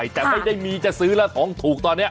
แต่ไม่ได้มีจะซื้อแล้วของถูกตอนนี้